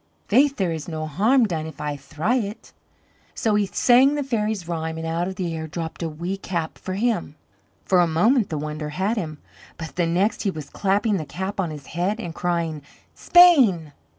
Faith there is no harm done if I thry it." So he sang the fairies' rhyme and out of the air dropped a wee cap for him. For a moment the wonder had him, but the next he was clapping the cap on his head and crying: "Spain!"